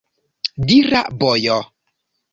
Dira bojo!